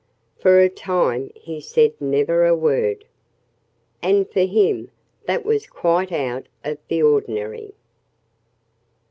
For a time he said never a word. And for him, that was quite out of the ordinary.